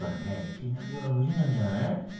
いきなりは無理なんじゃない？